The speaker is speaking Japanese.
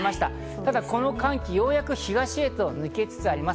ただこの寒気、ようやく東へ抜けつつあります。